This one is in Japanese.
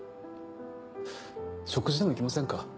食事でも行きませんか？